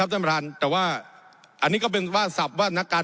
ท่านประธานแต่ว่าอันนี้ก็เป็นว่าสับว่านักการ